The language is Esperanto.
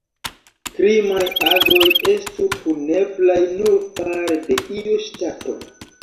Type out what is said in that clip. Krimaj agoj estu puneblaj nur fare de iu ŝtato.